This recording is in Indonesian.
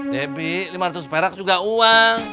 debbie lima ratus perak juga uang